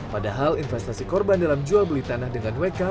padahal investasi korban dalam jual beli tanah dengan wk